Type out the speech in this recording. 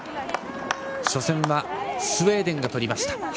初戦はスウェーデンがとりました。